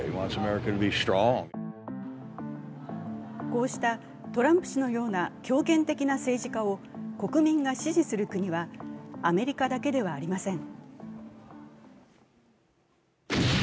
こうしたトランプ氏のような強権的な政治家を国民が支持する国はアメリカだけではありません。